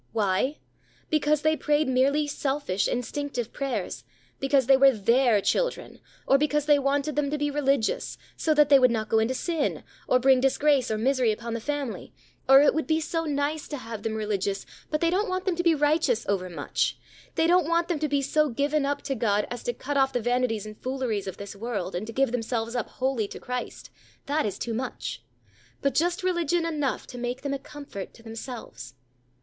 Why? Because they prayed merely selfish, instinctive prayers, because they were their children, or because they wanted them to be religions, so that they would not go into sin, or bring disgrace or misery upon the family, or it would be so nice to have them religious; but they don't want them to be righteous over much; they don't want them to be so given up to God as to cut off the vanities and fooleries of this world, and to give themselves up wholly to Christ that is too much; but just religion enough to make them a comfort to themselves.